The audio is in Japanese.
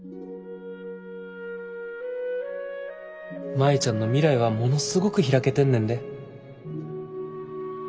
舞ちゃんの未来はものすごく開けてんねんで。